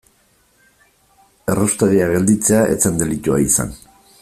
Erraustegia gelditzea ez zen delitua izan.